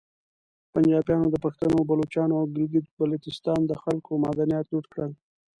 پنجابیانو د پختنو، بلوچانو او ګلګیت بلتیستان د خلکو معدنیات لوټ کړل